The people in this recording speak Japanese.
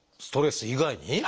ストレス以外に？